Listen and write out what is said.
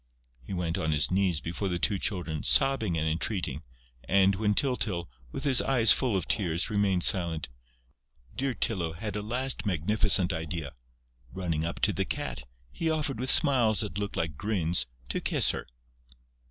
He went on his knees before the two Children, sobbing and entreating, and, when Tyltyl, with his eyes full of tears, remained silent, dear Tylô had a last magnificent idea: running up to the Cat, he offered, with smiles that looked like grins, to kiss her.